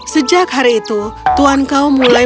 sejak hari itu tuhan kaum mulai